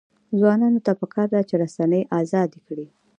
ځوانانو ته پکار ده چې، رسنۍ ازادې کړي.